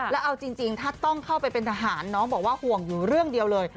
แล้วเอาจริงถ้าต้องเข้าไปเป็นทหารน้องบอกว่าห่วงอยู่เรื่องเดียวเลย